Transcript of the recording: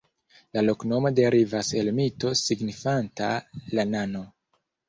La loknomo derivas el mito signifanta "la nano".